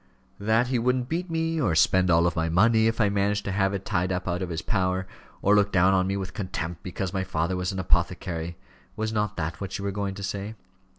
"That he wouldn't beat me; or spend all my money if I managed to have it tied up out of his power; or look down on me with contempt because my father was an apothecary! Was not that what you were going to say?"